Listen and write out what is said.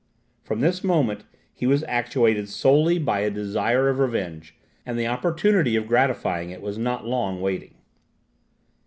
From this moment he was actuated solely by a desire of revenge; and the opportunity of gratifying it was not long wanting.